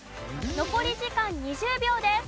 残り時間２０秒です。